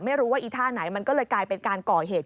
ไม่รู้ว่าอีท่าไหนมันก็เลยกลายเป็นการก่อเหตุ